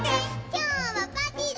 「きょうはパーティーだ！」